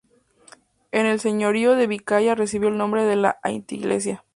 En el Señorío de Vizcaya recibió el nombre de anteiglesia.